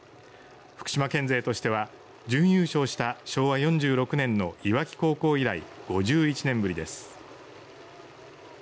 福島県勢としては準優勝した昭和４６年の磐城高校以来、５１年ぶりです。